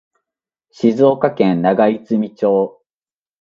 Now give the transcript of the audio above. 静岡県長泉町